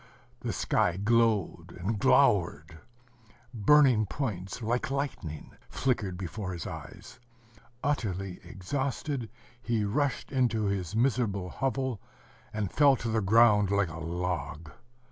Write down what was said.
The sky glowed and glowered. ... Burning points, like lightning, flickered before his eyes. Utterly exhausted, he rushed into his miserable hovel, and fell to the ground like a log.